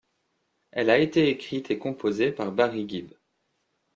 Elle a été écrite et composée par Barry Gibb.